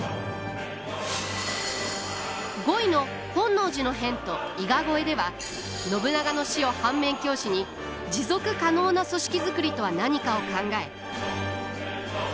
５位の本能寺の変と伊賀越えでは信長の死を反面教師に持続可能な組織作りとは何かを考え。